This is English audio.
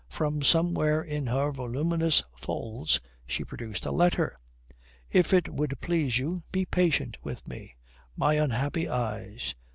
From somewhere in her voluminous folds she produced a letter. "If it would please you, be patient with me. My unhappy eyes."